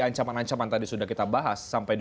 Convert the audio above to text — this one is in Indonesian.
ancaman ancaman tadi sudah kita bahas